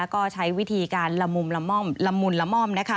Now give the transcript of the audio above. ก็ใช้วิธีการละมุ่นละหม้อม